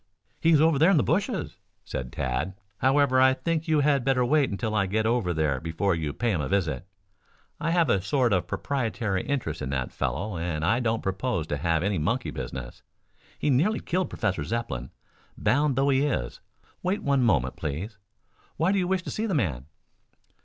"He is over there in the bushes," said Tad. "However, I think you had better wait until I get over there before you pay him a visit. I have a sort of proprietary interest in that fellow and I don't propose to have any monkey business. He nearly killed Professor Zepplin, bound though he is. Wait one moment, please. Why do you wish to see the man?"